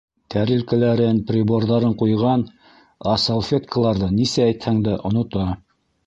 Тәрилкәләрен, приборҙарын ҡуйған, ә салфеткаларҙы, нисә әйтһәң дә, онота.